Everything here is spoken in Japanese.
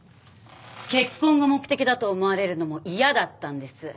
結婚が目的だと思われるのも嫌だったんです。